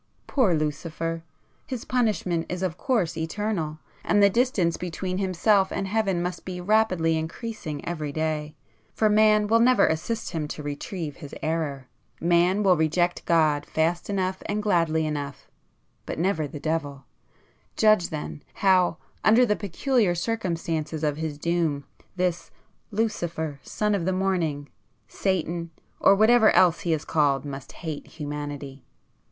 Poor Lucifer! His punishment is of course eternal, and the distance between himself and Heaven must be rapidly increasing every day,—for Man will never assist him to retrieve his error. Man will reject God fast enough and gladly enough—but never the devil. Judge then, how, under the peculiar circumstances of his doom, this 'Lucifer, Son of the Morning,' Satan, or whatever else he is called, must hate Humanity!"